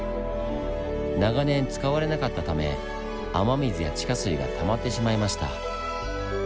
長年使われなかったため雨水や地下水がたまってしまいました。